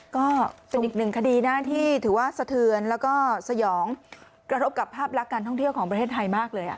ก็เป็นอีกหนึ่งคดีนะที่ถือว่าสะเทือนแล้วก็สยองกระทบกับภาพลักษณ์การท่องเที่ยวของประเทศไทยมากเลย